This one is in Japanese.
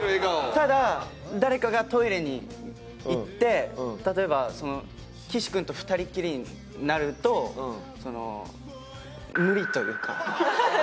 ただ誰かがトイレに行って例えば岸君と２人っきりになるとその無理というか。